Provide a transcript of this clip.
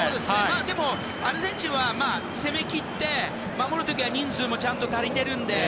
でも、アルゼンチンは攻め切って守る時は人数もちゃんと足りているので。